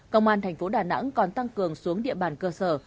công an thành phố đà nẵng còn tăng cường xuống địa bàn cơ sở